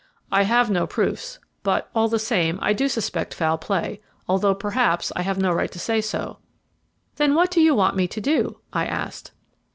"I have no proofs, but, all the same, I do suspect foul play, although, perhaps, I have no right to say so." "Then what do you want me to do?" I asked.